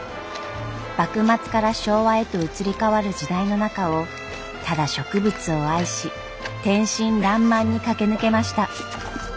幕末から昭和へと移り変わる時代の中をただ植物を愛し天真らんまんに駆け抜けました。